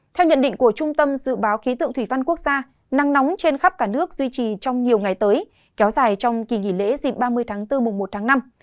theo nhận định của trung tâm dự báo khí tượng thủy văn quốc gia nắng nóng trên khắp cả nước duy trì trong nhiều ngày tới kéo dài trong kỳ nghỉ lễ dịp ba mươi tháng bốn mùng một tháng năm